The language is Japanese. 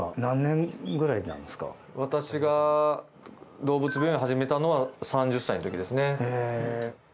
私が動物病院を始めたのは３０歳の時ですね。